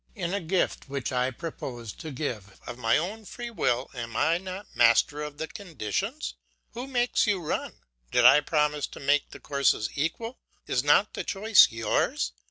"In a gift which I propose to give of my own free will am not I master of the conditions? Who makes you run? Did I promise to make the courses equal? Is not the choice yours?